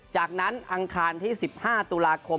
จากนั้นอังคารที่๑๕ตุลาคม